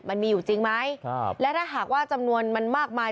มันมีอยู่จริงไหมครับและถ้าหากว่าจำนวนมันมากมาย